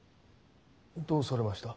どうされました？